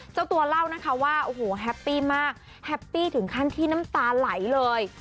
เจ้าตัวเล่านะคะว่าโอ้โหแฮปปี้มากแฮปปี้ถึงขั้นที่น้ำตาไหลเลย